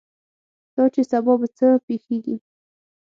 دا چې سبا به څه پېښېږي.